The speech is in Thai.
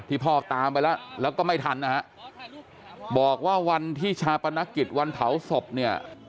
พ่อตามไปแล้วแล้วก็ไม่ทันนะฮะบอกว่าวันที่ชาปนกิจวันเผาศพเนี่ย